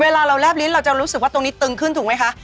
เวลาเราแลบลิ้นเราจะรู้สึกว่าตรงนี้ตึงขึ้นถูกไหมคะ